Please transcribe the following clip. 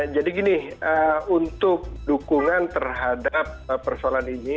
jadi gini untuk dukungan terhadap persoalan ini